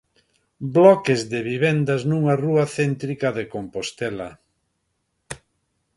Bloques de vivendas nunha rúa céntrica de Compostela.